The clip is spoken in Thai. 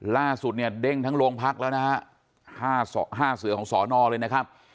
ล่าสุดเนี่ยเด้งทั้งโรงพักแล้วนะฮะ๕เสือของสอนอเลยนะครับ